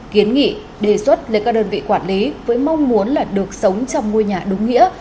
kiến nghị đề xuất lên các đơn vị quản lý với mong muốn là được sống trong ngôi nhà đúng nghĩa